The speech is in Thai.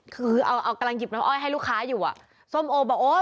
คือเอาเอากำลังหยิบน้ำอ้อยให้ลูกค้าอยู่อ่ะส้มโอบอกโอ้